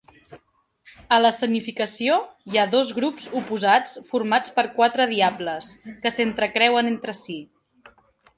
A l'escenificació, hi ha dos grups oposats formats per quatre diables, que s'entrecreuen entre si.